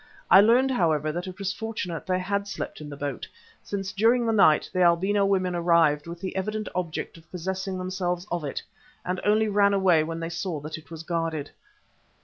I learned, however, that it was fortunate they had slept in the boat, since during the night the albino women arrived with the evident object of possessing themselves of it, and only ran away when they saw that it was guarded.